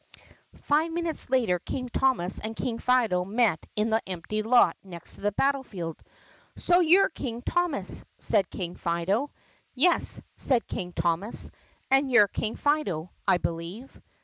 Five minutes later King Thomas and King Fido met in the empty lot next to the battle field. "So you' re King Thomas?" said King Fido. "Yes," said King Thomas. "And you 're King Fido, I be lieve?"